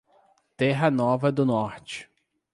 Terra Nova do Norte